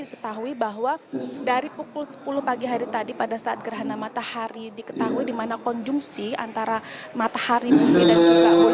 diketahui bahwa dari pukul sepuluh pagi hari tadi pada saat gerhana matahari diketahui dimana konjungsi antara matahari dan juga bulan ini bertemu pada pukul sepuluh